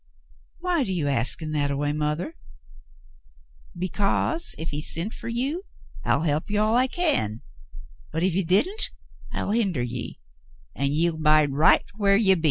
"Why do you ask in that way, mothah ?" "Because if he sont fer ye, I'll help ye all I can; but if he didn't, I'll hinder ye, and ye'll bide right whar ye be."